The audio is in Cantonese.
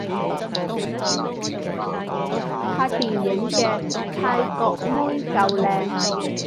拍電影嘅泰國妹夠靚